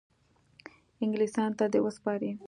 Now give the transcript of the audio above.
انګلیسیانو ته دي وسپاري.